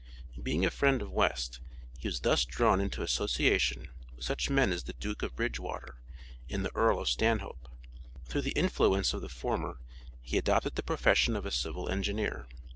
Being a friend of West, he was thus drawn into association with such men as the Duke of Bridgewater and the Earl of Stanhope. Through the influence of the former he adopted the profession of a civil engineer.